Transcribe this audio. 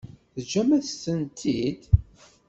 Teǧǧamt-asen-t-id?